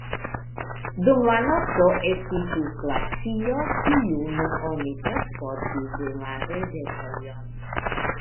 Dum la nokto estiĝis glacio, kiun oni transportis en la rezervejon.